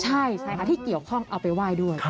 ใช่ค่ะที่เกี่ยวข้องเอาไปไหว้ด้วย